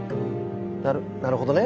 なるなるほどね。